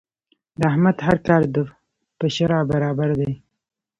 د احمد هر کار د په شرعه برابر دی.